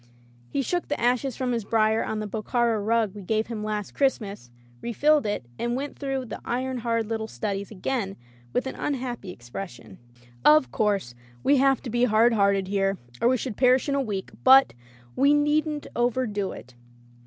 He shook the ashes from his brier on the Bokhara rug we gave him last Christmas, refilled it, and went through the iron hard little studies again with an unhappy ex pression. "Of course we have to be hard hearted here, or we should perish in a week, but — ^we needn't overdo it."